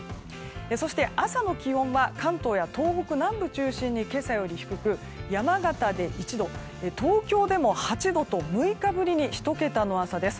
そして、朝の気温は関東や東北南部中心に今朝より低く、山形で１度東京でも８度と６日ぶりに１桁の朝です。